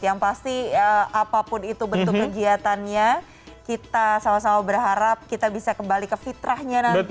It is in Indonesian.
yang pasti apapun itu bentuk kegiatannya kita sama sama berharap kita bisa kembali ke fitrahnya nanti